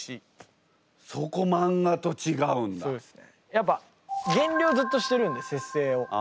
やっぱ減量をずっとしてるんで節制を。